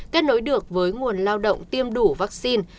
kết nối được với nguồn lao động tiêm đủ vaccine